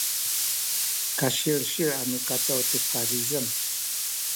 kasilsil a mikacaw tu kazizeng